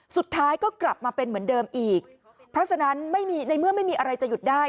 สุดท้ายก็กลับมาเป็นเหมือนเดิมอีกเพราะฉะนั้นไม่มีในเมื่อไม่มีอะไรจะหยุดได้